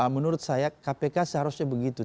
menurut saya kpk seharusnya begitu